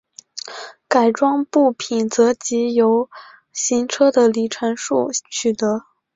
改装部品则藉由行车的里程数取得。